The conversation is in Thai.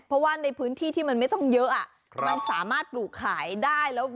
เพราะว่าในพื้นที่ที่มันไม่ต้องเยอะมันสามารถปลูกขายได้แล้ว